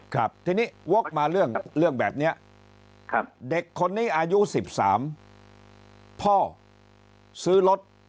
ครับทีนี้วกมาเรื่องแบบนี้เด็กคนนี้อายุ๑๓พ่อซื้อรถ